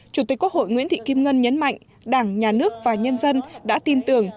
chủ tịch quốc hội nguyễn thị kim ngân nhấn mạnh đảng nhà nước và nhân dân đã tin tưởng